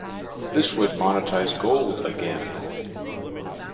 This would monetize gold again.